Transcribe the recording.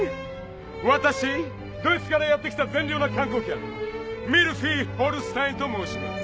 わたしドイツからやってきた善良な観光客ミルヒー・ホルスタインと申します！